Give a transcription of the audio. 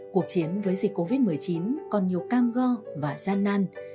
cuộc chiến với dịch covid một mươi chín còn nhiều cam go và gian nan